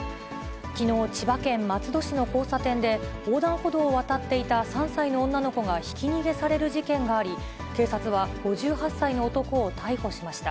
きのう、千葉県松戸市の交差点で、横断歩道を渡っていた３歳の女の子がひき逃げされる事件があり、警察は５８歳の男を逮捕しました。